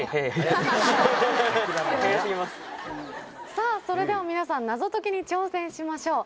さぁそれでは皆さんナゾ解きに挑戦しましょう。